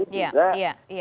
dan ini juga